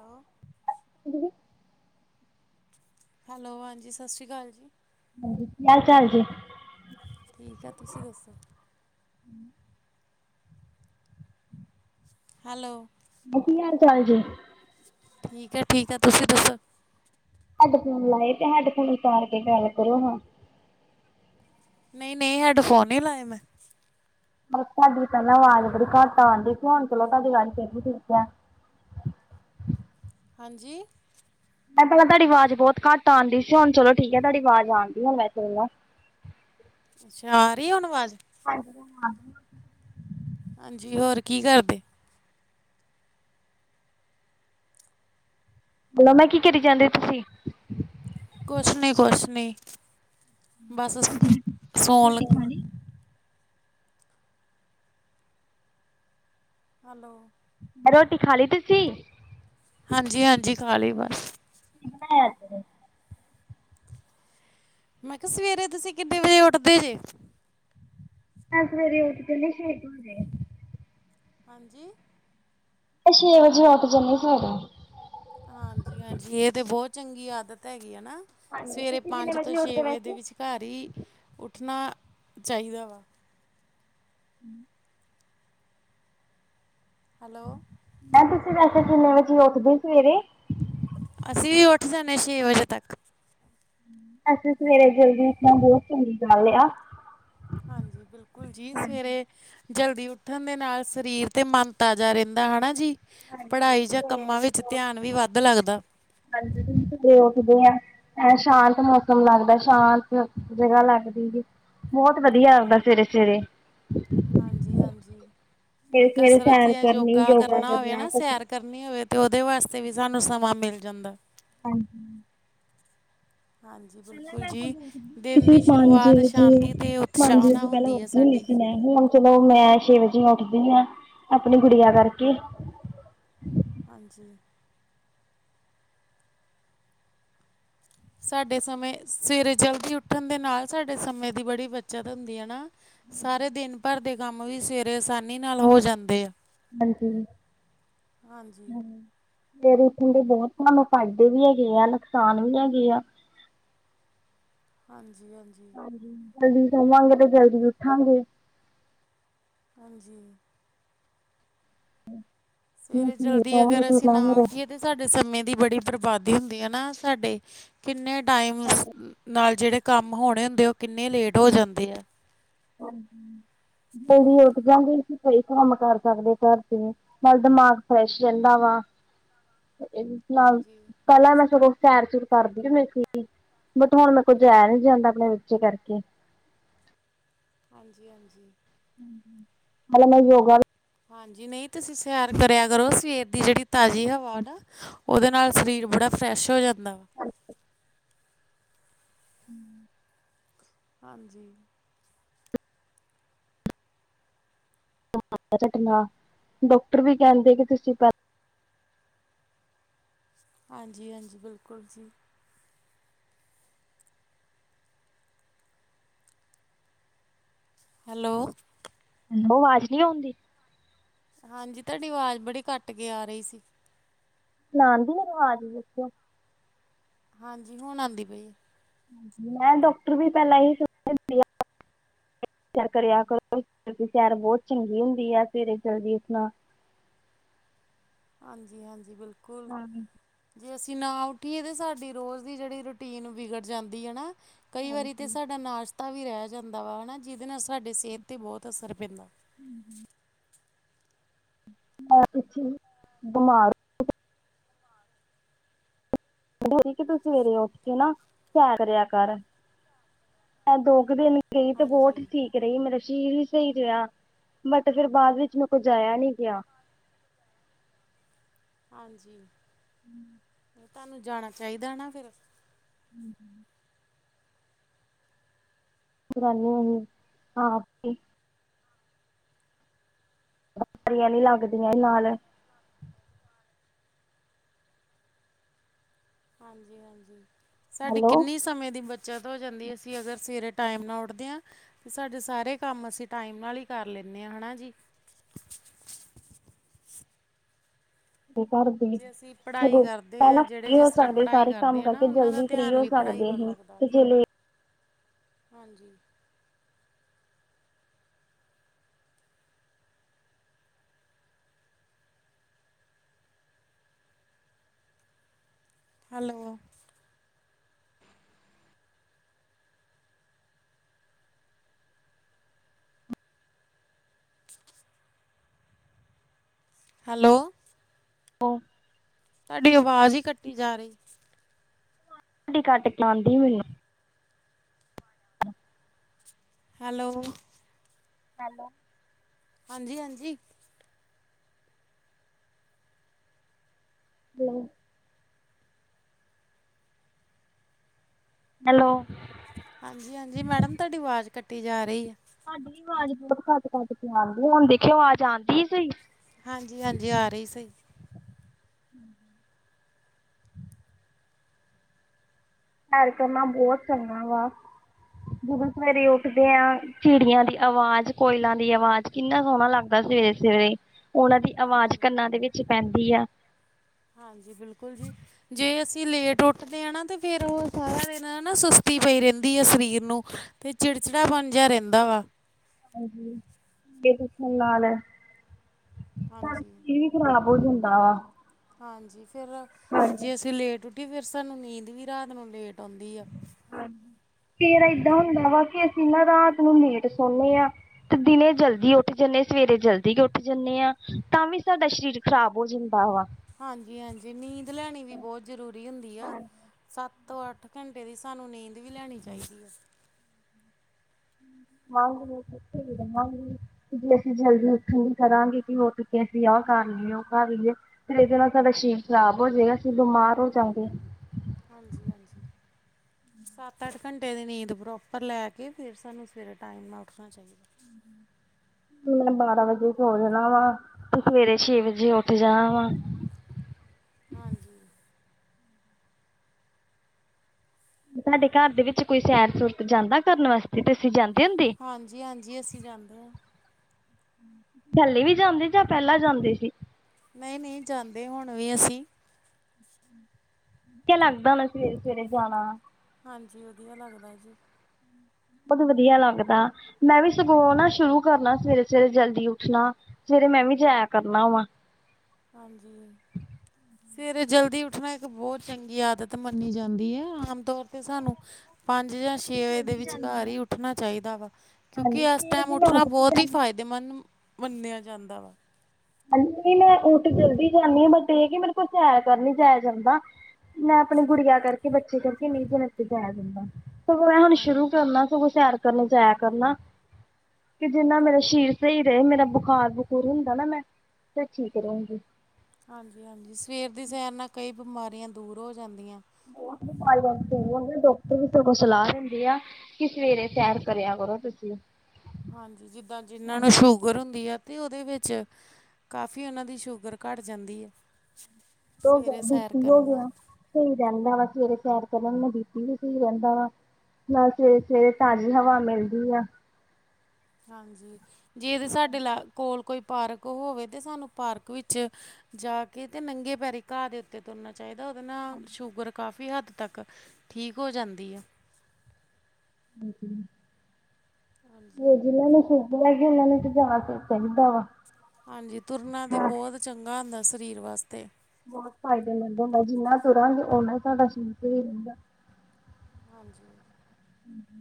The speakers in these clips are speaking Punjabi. ਹਾਂ। [inaudible] ਹੈਲੋ ਹਾਂਜੀ ਸਤਿ ਸ਼੍ਰੀ ਅਕਾਲ ਜੀ। ਹਾਂਜੀ ਕੀ [inaudible] ਕੱਲ ਚੱਲ ਜੀ ਠੀਕ ਆ ਤੁਸੀਂ ਦੱਸੋ। ਹੈਲੋ ਮੈਂ ਕੀ ਹਾਲ ਚਾਲ ਜੇ। ਠੀਕ ਐ- ਠੀਕ ਐ ਤੁਸੀਂ ਦੱਸੋ। ਹੈਡਫੋਨ ਲਾਏ ਤੇ ਹੈਡਫੋਨ ਉਤਾਰ ਕੇ ਗੱਲ ਕਰੋ ਹਾਂ। ਨਹੀਂ -ਨਹੀਂ ਹੈਡਫੋਨ ਨੀ ਲਾਏ ਮੈਂ ਮਤਬ ਤੁਹਾਡੀ ਪਹਿਲਾਂ ਆਵਾਜ਼ ਬੜੀ ਘੱਟ ਆਂਦੀ ਸੀ ਹੁਣ ਚਲੋ ਤੁਹਾਡੀ ਗੱਲ ਫੇਰ ਵੀ ਠੀਕ ਐ। ਹਾਂਜੀ ਮੈਂ ਪਹਿਲਾ ਤੁਹਾਡੀ ਆਵਾਜ਼ ਬੋਤ ਘੱਟ ਆਂਡੀ ਸੀ ਹੁਣ ਚਲੋ ਠੀਕ ਐ ਤੁਹਾਡੀ ਆਵਾਜ਼ ਆਂਦੀ ਆ ਮੈਂ ਚੱਲਾ। ਅੱਛਾ ਆ ਰੀ ਹੁਣ ਵਾਜ ਹਾਂਜੀ ਹਾਂਜੀ ਹੋਰ ਕੀ ਕਰਦੇ। ਬਲੋ ਮੈਂ ਕੀ ਕਰੀ ਜਾਂਦੇ ਤੁਸੀਂ ਕੁੱਛ ਨੀ ਕੁੱਛ ਨੀ ਬਸ ਸੋਣ ਲੱਗੇ। ਹੈਲੋ ਰੋਟੀ ਖਾ ਲੀ ਤੁਸੀ ਹਾਂਜੀ-ਹਾਂਜੀ ਖਾ ਲੀ ਬਸ ਕੀ ਬਣਾਇਆ ਅੱਜ ਮੈਂ ਕਾ ਸਵੇਰੇ ਤੁਸੀਂ ਕਿੰਨੇ ਵਜੇ ਉੱਠਦੇ ਜੇ। ਮੈਂ ਸਵੇਰੇ ਉੱਠ ਜਨੀ ਛੇ ਕ ਵਜੇ। ਮੈਂ ਹਾਂਜੀ ਮੈਂ ਛੇ ਵਜੇ ਉੱਠ ਜਾਂਨੀ ਸਵੇਰੇ ਹਾਂਜੀ-ਹਾਂਜੀ ਏ ਤੇ ਬੋਤ ਚੰਗੀ ਆਦਤ ਹੈਗੀ ਆ ਨਾ। ਹਾਂਜੀ ਸਵੇਰੇ ਤੁਸੀਂ ਕਿੰਨੇ ਪੰਜ ਤੋਂ ਛੇ ਉੱਠਦੇ ਵਜੇ ਦੇ ਵੈਸੇ ਵਿਚਕਾਰ ਈ ਉੱਠਣਾ ਚਾਹੀਦਾ ਵਾ। [unintelligible] ਹੈਲੋ। ਮੈਮ ਤੁਸੀਂ ਵੈਸੇ ਕਿੰਨੇ ਵਜੇ ਉੱਠਦੇ ਸਵੇਰੇ? ਅਸੀਂ ਵੀ ਉੱਠ ਜਾਂਨੇ ਆਂ ਛੇ ਵਜੇ ਤੱਕ। ਅਸੀਂ ਸਵੇਰੇ ਜਲਦੀ ਇਨਾ ਬੋ ਚੰਗੀ ਗੱਲ ਲਿਆ। ਹਾਂਜੀ ਬਿਲਕੁੱਲ? [unintelligible] ਜੀ ਸਵੇਰੇ ਜਲਦੀ ਉੱਠਣ ਦੇ ਨਾਲ ਸਰੀਰ ਤੇ ਮਨ ਤਾਜ਼ਾ ਰੈਂਦਾ ਹਨਾ ਜੀ। ਹਾਂਜੀ ਪੜ੍ਹਾਈ ਜਾਂ ਸਵੇਰੇ ਕੰਮਾਂ ਵਿੱਚ ਧਿਆਨ ਵੀ ਵੱਧ ਲੱਗਦਾ। ਹਾਂਜੀਰੇ [unintelligible] ਉੱਠਦੇ ਆ ਐ ਸ਼ਾਂਤ ਮੌਸਮ ਲੱਗਦਾ ਸ਼ਾਂਤ ਜਗਾ ਲੱਗਦੀ ਏ [unintelligible] ਬਹੁਤ ਵਧੀਆ ਆਗਦਾ ਸਵੇਰੇ-ਸਵੇਰੇ ਹਾਂਜੀ-ਹਾਂਜੀ ਕੋਈ ਸਵੇਰੇ-ਸਵੇਰੇ ਕਸਰਤ ਸੈਰ ਯਾਂ ਕਰਨੀ, ਯੋਗਾ ਕਰਨਾ ਹੋਵੇ ਨਾ ਕਸਰਤ ਸੈਰ ਕਰ [unintelligible] ਹੋਵੇ ਤੇ ਓਦੇ ਵਾਸਤੇ ਵੀ ਸਾਨੂੰ ਸਮਾਂ ਮਿਲ ਜਾਂਦਾ। ਹਾਂਜੀ। ਹਾਂਜੀ ਬਿਲਕੁਲ। ਪਹਿਲਾਂ ਬਿਲਕੁਲ ਮੈਂ ਜੀ ਸਗੋਂ ਉਠਦੀ ਹੁੰਦੀ ਦਿਨ ਸੀ ਦੀ ਪੰਜ ਸ਼ੁਰੂਆਤ ਵਜੇ ਸ਼ਾਂਤੀ ਤੇ ਪੰਜ ਉਤਸ਼ਾਹ ਨਾਲ ਵਜੇ ਪਹਿਲਾਂ ਹੈ ਉੱਠਦੀ ਹੁੰਦੀ ਸਾਡੀ। ਸੀ। ਮੈਂ ਹੁਣ ਚਲੋ ਮੈਂ ਛੇ ਵਜੇ ਉੱਠਦੀ ਆਂ ਆਪਣੀ ਗੁੜੀਆਂ ਕਰਕੇ। ਹਾਂਜੀ। ਸਾਡੇ ਸਮੇਂ ਸਵੇਰੇ ਜਲਦੀ ਉੱਠਣ ਦੇ ਨਾਲ ਸਾਡੇ ਸਮੇਂ ਦੀ ਬੜੀ ਬੱਚਤ ਹੁੰਦੀ ਐ ਨਾ। ਸਾਰੇ ਦਿਨ ਭਰ ਦੇ ਕੰਮ ਵੀ ਸਵੇਰੇ ਆਸਾਨੀ ਨਾਲ ਹੋ ਜਾਂਦੇ ਆ। ਹਾਂਜੀ ਹਾਂਜੀ ਹਾਂ। ਸਵੇਰੇ ਉੱਠਣ ਦੇ ਬੋਤ ਸਾਨੂੰ ਫਾਇਦੇ ਵੀ ਹੈਗੇ ਆ ਨੁਕਸਾਨ ਵੀ ਹੈਗੇ ਆ। ਹਾਂਜੀ-ਹਾਂਜੀ ਜਲਦੀ ਸੋਵਾ ਗੇ, ਤੇ ਜਲਦੀ ਉੱਠਾਂਗੇ। ਹਾਂਜੀ, ਜੇ ਸਵੇਰੇ ਜਲਦੀ ਸੋਵਾਂਗੇ ਅਗਰ ਤੇ ਅਸੀਂ ਨਾ ਫਿਰ ਉੱਠੀਏ। ਸਾਡੇ ਸਮੇਂ ਦੀ ਬੜੀ ਬਰਬਾਦੀ ਹੁੰਦੀ ਹੈ, ਨਾ ਸਾਡੇ ਕਿੰਨੇ ਟਾਈਮ। ਹਾਂਜੀ ਨਾਲ ਜਿਹੜੇ ਕੰਮ ਹੋਣੇ ਹੁੰਦੇ ਉਹ ਕਿੰਨੇ ਲੇਟ ਹੋ ਜਾਂਦੇ ਹੈ। ਹਾਂਜੀ ਜੀ ਉੱਠ ਜਾਂਦੇ, ਈ ਕੰਮ ਕਰ ਸਕਦੇ ਘਰ ਚ ਨਾਲ ਦਿਮਾਗ ਫਰੈਸ਼ ਰਹਿੰਦਾ ਵਾ ਤੇ ਇਹਦੇ ਨਾਲ ਹਾਂਜੀ ਪਹਿਲਾਂ, ਮੈ ਸਗੋਂ ਸੈਰ ਸੁਰ ਕਰਦੀ ਹੁੰਦੀ ਸੀਗੀ। ਬਟ ਹੁਣ ਮੇਰੇ ਕੋਲ ਜਾਇਆ ਨੀ ਜਾਂਦਾ ਆਪਣੇ ਬੱਚੇ ਕਰਕੇ। ਹਾਂਜੀ, ਹਾਂਜੀ, ਹੂੰ, ਹੈਲੇ ਮੈਂ ਯੋਗਾ। ਹਾਂਜੀ ਨਹੀਂ ਤੁਸੀਂ ਸੈਰ ਕਰਿਆ ਕਰੋ, ਸਵੇਰ ਦੀ ਜਿਹੜੀ ਤਾਜ਼ੀ ਹਵਾ ਨਾ। ਉਹਦੇ ਨਾਲ ਸਰੀਰ ਬੜਾ ਫਰੈਸ਼ ਹੋ ਜਾਂਦਾ ਵਾ। ਵੀ ਹੂੰ, ਹਾਂਜੀ, ਟਨਾ ਡਾਕਟਰ ਵੀ ਕਹਿੰਦੇ ਕਿ ਤੁਸੀਂ ਪ ਹਾਂਜੀ, ਹਾਂਜੀ, ਬਿਲਕੁਲ ਜੀ। ਹੈਲੋ, ਉਹ ਆਵਾਜ਼ ਨਹੀਂ ਆਦੀ। ਹਾਂਜੀ, ਤੁਹਾਡੀ ਆਵਾਜ਼ ਬੜੀ ਘੱਟ ਕੇ ਆ ਰਹੀ ਸੀ। ਸੁਣਾਦੀ ਆਵਾਜ਼ ਦੱਸਿਓ। ਹਾਂਜੀ, ਹੁਣ ਆਦੀ ਪਈ। ਮੈਂ ਡਾਕਟਰ ਵੀ ਪਹਿਲਾਂ ਹੀ ਕਰਿਆ ਕਰੋ, ਸੈਰ ਬਹੁਤ ਚੰਗੀ ਹੁੰਦੀ ਆ ਸਵੇਰੇ ਜਲਦੀ ਉਠਨਾ ਹਾਂਜੀ, ਹਾਂਜੀ, ਬਿਲਕੁਲ। ਹਾਂਜੀ ਜੇ ਅਸੀਂ ਨਾ ਉੱਠੀਏ, ਤਾਂ ਸਾਡੀ ਰੋਜ਼ ਦੀ ਜਿਹੜੀ ਰੂਟੀਨ ਵਿਗੜ ਜਾਂਦੀ ਐ ਨਾ। ਕਈ ਵਾਰੀ ਤਾਂ ਹਾਂਜੀ ਸਾਡਾ ਨਾਸ਼ਤਾ ਵੀ ਰਹਿ ਜਾਂਦਾ ਵਾ ਐ ਨਾ। ਜਿਹਦੇ ਨਾਲ ਸਾਡੇ ਸਿਹਤ 'ਤੇ ਬਹੁਤ ਅਸਰ ਪੈਂਦਾ। ਹੂੰ, ਹੂੰ ਮੈਂ ਪਿੱਛੇ ਬਿਮਾਰ ਠਕ ਤੂੰ ਸਵੇਰੇ ਉੱਠ ਕੇ ਨਾ ਸੈਰ ਕਰਿਆ, ਕਰ ਇਹ ਦੋ ਕੁ ਦਿਨ ਗਈ ਤੇ ਹਾਂਜੀ ਬੋਟ ਸੀ। ਰਹੀ ਮੇਰਾ ਸ਼ਰੀਰ ਹੀ ਸਹੀ ਰਿਹਾ ਬਟ ਫੇਿਰ ਬਾਅਦ ਵਿੱਚ ਮੈਂ ਕੁੱਝ ਜਇਆ ਨੀ ਗਿਆ। ਹਾਂਜੀ ਹੂੰ ਤੁਹਾਨੂੰ ਜਾਣਾ ਚਾਹੀਦਾ ਨਾ ਫੇਰ ਹੂੰ, ਹੂੰ [inaudible] ਬਰੀਆਂ ਨੀ ਲੱਗਦੀਆਂ ਨਾਲ ਹਾਂਜੀ, ਹਾਂਜੀ, ਸਾਡੀ ਹੈਲੋ ਕਿੰਨੀ ਸਮੇਂ ਦੀ ਬ ਜਦੋਂ ਹੋ ਜਾਂਦੀ, ਅਸੀਂ ਅਗਰ ਸਵੇਰੇ ਟਾਈਮ ਨਾ ਉੱਠਦੇ ਆ ਤੇ ਸਾਡੇ ਸਾਰੇ ਕੰਮ ਅਸੀਂ ਟਾਈਮ ਨਾਲ ਹੀ ਕਰ ਲੈਂਨੇ ਆ ਹਨਾ ਜੀ। ਘਰ ਜੇ ਅਸੀਂ ਪੜ੍ਹਾਈ ਕਰਦੇ ਹਾਂ ਪਹਿਲਾਂ ਜਿਹੜੇ ਫਰੀ ਹੋ ਜਿਸ ਤਰ੍ਹਾਂ ਸਕਦੇ, ਪੜ੍ਹਾਈ ਸਾਰੇ ਕੰਮ ਕਰਦੇ ਆ ਨਾ ਕਰਕੇ ਉਹਨਾਂ ਦਾ ਜਲਦੀ ਫ੍ਰੀ ਧਿਆਨ ਹੋ ਵੀ ਪੜ੍ਹਾਈ ਸਕਦੇ ਵੱਲ ਅਸੀਂ। ਲੱਗਦਾ ਜੇ ਲੇਟ ਹਾਂਜੀ, ਹੈਲੋ [unintelligible] ਹੈਲੋ [unintelligible] ਤੁਹਾਡੀ ਆਵਾਜ਼ ਹੀ ਕੱਟੀ ਜਾ ਰਹੀ। ਕੱਟ ਕੇ ਆਉਂਦੀ ਪਈ ਮੈਨੂੰ ਹੂੰ ਹੈਲੋ ਹੈਲੋ ਹਾਂਜੀ, ਹਾਂਜੀ ਹੈਲੋ ਹੈਲੋ ਹਾਂਜੀ, ਹਾਂਜੀ ਮੈਡਮ ਤੁਹਾਡੀ ਆਵਾਜ਼ ਕੱਟੀ ਜਾ ਰਹੀ ਆ। ਸਾਡੀ ਆਵਾਜ਼ ਬਹੁਤ ਘੱਟ, ਘੱਟ ਕੇ ਆਂਦੀ। ਹੁਣ ਦੇਖਿਓ ਆਵਾਜ਼ ਆਦੀ ਸਈ? ਹਾਂਜੀ, ਹਾਂਜੀ ਆ ਰਹੀ ਸਹੀ। ਹੂੰ ਪਿਆਰ ਕਰਮ ਬਹੁਤ ਚੰਗਾ ਵਾ। ਜਦੋਂ ਸਵੇਰੇ ਉੱਠਦੇ ਆ ਚਿੜੀਆਂ ਦੀ ਆਵਾਜ਼, ਕੋਇਲਾਂ ਦੀ ਆਵਾਜ਼ ਕਿੰਨਾ ਸੋਹਣਾ ਲੱਗਦਾ ਸਵੇਰੇ, ਸਵੇਰੇ ਓਨਾਂ ਦੀ ਆਵਾਜ਼ ਕੰਨਾਂ ਦੇ ਵਿੱਚ ਪੈਂਦੀ ਆ। ਹਾਂਜੀ, ਬਿਲਕੁਲ ਜੀ। ਜੇ ਅਸੀਂ ਲੇਟ ਉੱਠਦੇ ਇ ਨਾ ਤੇ ਫੇਰ ਉਹ ਸਾਰਾ ਦਿਨ ਨਾ ਸੁਸਤੀ ਪਈ ਰਹਿੰਦੀ ਆ ਸਰੀਰ ਨੂੰ। ਅਤੇ ਚਿੜਚਿੜਾ ਬਣ ਜੇਹਾ ਰਹਿੰਦਾ ਵਾ। ਹਾਂਜੀ, ਦੇਖਣ ਨਾਲ ਐ ਹਾਂਜੀ ਖਰਾਬ ਹੋ ਜਾਂਦਾ ਵਾ ਹਾਂਜੀ ਫੇਰ ਹਾਂਜੀ ਜੇ ਅਸੀਂ ਲੇਟ ਉੱਠੀਏ, ਫਿਰ ਸਾਨੂੰ ਨੀਂਦ ਵੀ ਰਾਤ ਨੂੰ ਲੇਟ ਆਉਂਦੀ ਆ। ਹਾਂ ਫੇਰ ਏਦਾਂ ਹੁੰਦਾ ਵਾ ਕਿ, ਅਸੀਂ ਇਹਨਾਂ ਰਾਤ ਨੂੰ ਲੇਟ ਸੌਨੇ ਆ। ਤੇ ਦਿਨੇ ਜਲਦੀ ਉੱਠ ਜਾਂਦੇ, ਸਵੇਰੇ ਜਲਦੀ ਉੱਠ ਜਾਂਦੇ ਆ ਤਾਂ ਵੀ ਸਾਡਾ ਸਰੀਰ ਖ਼ਰਾਬ ਹੋ ਜ਼ੰਦਾ ਵਾ ਹਾਂਜੀ, ਹਾਂਜੀ ਨੀਂਦ ਲੈਣੀ ਵੀ ਬਹੁਤ ਜ਼ਰੂਰੀ ਹੁੰਦੀ ਆ। ਸੱਤ ਤੋਂ ਅੱਠ ਘੰਟੇ ਦੀ ਸਾਨੂੰ ਨੀਂਦ ਵੀ ਲੈਣੀ ਚਾਹੀਦੀ ਆ। [inaudible] ਕਿ ਜੇ ਅਸੀਂ ਜਲਦੀ ਉਥਣ ਨ ਕਰਾਂਗੇ ਕਿ ਹੋ ਸਕੱਕ ਅਸੀਂ ਆ ਕਰ ਲਈਏ ਉਹ ਕਰ ਲਈਏ। ਫਿਰ ਇਹਦੇ ਨਾਲ ਸਾਡਾ ਸਰੀਰ ਖ਼ਰਾਬ ਹੋ ਜਾਏਗਾ ਅਸੀਂ ਬਿਮਾਰ ਹੋ ਜਾਂਗੇ। ਹਾਂਜੀ- ਹਾਂਜੀ ਸੱਤ -ਅੱਠ ਘੰਟੇ ਦੀ ਨੀਂਦ ਪ੍ਰੋਪਰ ਲੈ ਕੇ ਫਿਰ ਸਾਨੂੰ ਸਵੇਰੇ ਟਾਈਮ ਨਾਲ ਉੱਠਣਾ ਚਾਹੀਦਾ। ਮੈਂ ਬਾਰਾਂ ਵਜੇ ਸੋ ਜਾਣਾ ਵਾ। ਤੇ ਸਵੇਰੇ ਛੇ ਵਜੇ ਉੱਠ ਜਾਣਾ ਵਾ। ਹਾਂਜੀ ਸਾਡੇ ਘਰ ਦੇ ਵਿੱਚ ਕੋਈ ਸੈਰ-ਸੂਰ ਤੇ ਜਾਂਦਾ ਕਰਨ ਵਾਸਤੇ ਤੇ ਤੁਸੀਂ ਜਾਂਦੇ ਹੁੰਦੇ। ਹਾਂਜੀ- ਹਾਂਜੀ ਅਸੀਂ ਜਾਂਦੇ ਹਾਂ। ਥੇਲੇ ਵੀ ਜਾਂਦੇ ਜਾਂ ਪਹਿਲਾਂ ਜਾਂਦੇ ਸੀ। ਨਹੀਂ- ਨਹੀਂ, ਜਾਂਦੇ ਹੁਣ ਵੀ ਅਸੀਂ ਲੱਗਦਾ ਹੋਣਾ ਸਵੇਰੇ -ਸਵੇਰੇ ਜਾਣਾ। ਹਾਂਜੀ। ਵਧੀਆ ਲੱਗਦਾ ਜੀ। ਬਹੁਤ ਵਧੀਆ ਲੱਗਦਾ ਮੈਂ ਵੀ ਸਗੋਂ ਨਾ ਸ਼ੁਰੂ ਕਰਨਾ। ਸਵੇਰੇ- ਸਵੇਰੇ ਜਲਦੀ ਉੱਠਣਾ। ਜਿੜੇ ਮੈਂ ਵੀ ਜਾਇਆ ਕਰਨਾ ਵਾਂ। ਹਾਂਜੀ। ਹੂੰ, ਸਵੇਰੇ ਜਲਦੀ ਉੱਠਣਾ ਇੱਕ ਬਹੁਤ ਚੰਗੀ ਆਦਤ ਮੰਨੀ ਜਾਂਦੀ ਹੈ। ਆਮ ਤੌਰ ਤੇ ਸਾਨੂੰ ਪੰਜ ਜਾਂ ਛੇ ਵਜੇ ਦੇ ਵਿਚਕਾਰਰ ਹੀ ਉੱਠਣਾ ਚਾਹੀਦਾ ਵਾ। ਕਿਉਂਕਿ ਹਾਂਜੀ ਇਸ ਛੇ ਟਾਈਮ ਵਜੇ ਮੈਂ ਉੱਠ ਉੱਠਣਾ ਵੀ ਬਹੁਤ ਹੀ ਜਾਂਦੀ ਫਾਇਦਾ। ਤੇ ਮਨ ਮੰਨਿਆ ਜਾਂਦਾ ਵਾ। ਹਾਂਜੀ, ਨਹੀਂ ਮੈਂ ਉਠ ਜਲਦੀ ਜਾਂਦੀ ਹਾਂ ਬਟ ਇਹ ਕਿ ਮੇਰੇ ਕੋਲ ਸੈਰ ਕਰ ਨੀ ਜਾਇਆ ਜਾਂਦਾ। ਮੈਂ ਆਪਣੇ ਗੁੜੀਆਂ ਕਰਕੇ ਬੱਚੇ ਕਰਕੇ ਨਹੀਂ ਜਨਾ ਤੇ ਜਾਇਆ ਦਿੰਦਾ। ਸਗੋਂ ਇਹ ਹੁਣ ਹਾਂ ਸ਼ੁਰੂ ਕਰਨਾ। ਸਗੋਂ ਸੈਰ ਕਰਨ ਜਾਇਆ ਕਰਨਾ। ਕਿ ਜਿੰਨਾ ਮੇਰਾ ਸਰੀਰ ਸਹੀ ਰਹੇ। ਮੇਰਾ ਬੁਖਾਰ- ਬੁਖੂਰ ਹੁੰਦਾ ਨਾ ਮੈਂ ਤਾਂ ਠੀਕ ਰਹਾਂਗੇ। ਹਾਂਜੀ- ਹਾਂਜੀ ਸਵੇਰ ਦੀ ਸੈਰ ਨਾਲ ਕਈ ਬਿਮਾਰੀਆਂ ਦੂਰ ਹੋ ਜਾਂਦੀਆਂ। ਉਹ ਬਿਮਾਰੀਆਂ ਡਾਕਟਰ ਵੀ ਸੋਂ ਸਲਾਹ ਦਿੰਦੇ ਆ। ਕਿ ਸਵੇਰੇ ਸੈਰ ਕਰਿਆ ਕਰੋ ਤੁਸੀਂ। ਹਾਂਜੀ, ਜਿੱਦਾਂ ਜਿਨਾਂ ਨੂੰ ਹਾਂਜੀ। ਸ਼ੂਗਰ ਹੁੰਦੀ ਆ। ਅਤੇ ਉਹਦੇ ਵਿੱਚ ਕਾਫੀ ਉਹਨਾਂ ਦੀ ਸ਼ੂਗਰ ਘੱਟ ਜਾਂਦੀ ਹੈ। ਜੋ ਸਵੇਰੇ ਕਹਿੰਦੀ ਸੈਰ ਸੋ ਹੋ ਕਰਨ ਨਾਲ ਗਿਆ। ਸਹੀ ਰਹਿੰਦਾ ਵਾ ਸਵੇਰੇ ਸੈਰ ਚਣ ਮ ਬੀਪੀ ਵੀ ਸਹੀ ਰਹਿੰਦਾ ਵਾ। ਨਾਲੇ ਸਵੇਰੇ- ਸਵੇਰੇ ਤਾਜ਼ੀ ਹਵਾ ਮਿਲਦੀ ਆ। ਹਾਂਜੀ, ਜੇਦੇ ਸਾਡੇ ਲਾ ਕੋਲ ਕੋਈ। ਪਾਰਕ ਹੋਵੇ ਤੇ ਸਾਨੂੰ ਪਾਰਕ ਵਿੱਚ ਜਾ ਕੇ ਤੇ ਨੰਗੇ ਪੈਰੀ ਘਾਹ ਦੇ ਤੇ ਤੁਰਨਾ ਚਾਹੀਦਾ। ਉਹਦੇ ਨਾਲ ਸ਼ੂਗਰ ਕਾਫ਼ੀ ਹੱਦ ਤੱਕ ਠੀਕ ਹੋ ਜਾਂਦੀ ਹੈ ਹਾਂਜੀ। ਜਿਹਨਾਂ ਨੂੰ ਸੁਗਰ ਲੈ ਗ ਉਹਨਾਂ ਨੂੰ ਤੇ ਜਾ ਕੇ ਚਾਹੀਦਾ ਵਾ। ਹਾਂਜੀ, ਤੁਰਨਾ ਤਾਂ ਹਾਂ ਬਹੁਤ ਚੰਗਾ ਹੁੰਦਾ ਸਰੀਰ ਵਾਸਤੇ। ਬਹੁਤ ਫਾਇਦੇਮੰਦ ਹੁੰਦਾ ਜਿੰਨਾ ਤੁਰਾਂਗੇ ਉਨਾ ਹੀ ਸਾਡਾ ਸਰੀਰ ਸਹੀ ਰਹਿੰਦਾ। ਹਾਂਜੀ। ਹਮ।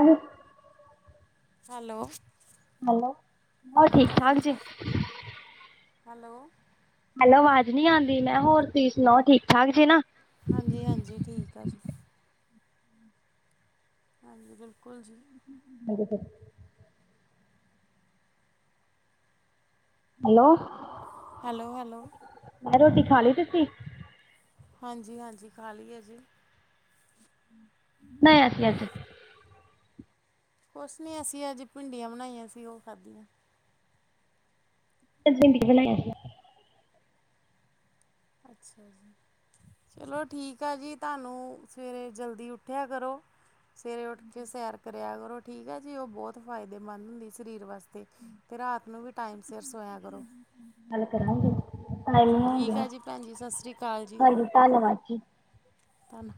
ਅ ਹੈਲੋ, ਹੋਰ ਠੀਕ ਹਾਂਜੀ- ਠਾਕ ਹਾਂਜੀ ਜੀ ਹੈਲੋ, ਹੈਲੋ, ਆਵਾਜ਼ ਨੀ ਆਉਂਦੀ ਮੈਂ ਹੋਰ ਤੁਸੀਂ ਸੁਣਾਓ ਠੀਕ- ਠਾਕ ਜੇ ਨਾ। ਹਾਂਜੀ- ਹਾਂਜੀ ਠੀਕ ਆ ਜੀ। ਹਾਂਜੀ, ਬਿਲਕੁਲ ਜੀ। ਅ [unintelligible] ਹੈਲੋ, ਹੈਲੋ, ਹੈਲੋ, ਮੈਂ ਰੋਟੀ ਖਾ ਲਈ ਤੁਸੀਂ? ਹਾਂਜੀ-ਹਾਂਜੀ, ਖਾਲੀ ਹੈ ਜੀ, [unintelligible] [unintelligible] ਕੁਛ ਨੀ ਅਸੀਂ ਅੱਜ ਭਿੰਡੀਆਂ ਬਣਾਈਆਂ ਸੀ, ਉਹ ਖਾਧੀਆਂ। ਭਿੰਡੀਆਂ ਬਣਾਈਆ। ਅੱਛਾ ਜੀ, ਚਲੋ ਠੀਕ ਆ ਜੀ, ਤੁਹਾਨੂੰ ਸਵੇਰੇ ਜਲਦੀ ਉੱਠਿਆ ਕਰੋ। ਸਵੇਰੇ ਉੱਠ ਕੇ ਸੈਰ ਕਰਿਆ ਕਰੋ, ਠੀਕ ਹੈ ਜੀ ਉਹ ਬਹੁਤ ਫਾਇਦੇਮੰਦ ਹੁੰਦੀ ਸਰੀਰ ਵਾਸਤੇ ਅਤੇ ਰਾਤ ਨੂੰ ਵੀ ਟਾਈਮ ਸਿਰ ਸੋਇਆ ਕਰੋ। ਗੱਲ ਕਰਾਂਗੇ ਹੋ ਠੀਕ ਗਿਆ, ਆ ਜੀ ਭੈਣ ਜੀ ਸਤਿ ਸ਼੍ਰੀ ਅਕਾਲ ਹਾਂਜੀ ਧੰਨਵਾਦ ਜੀ। ਹਾਂਜੀ,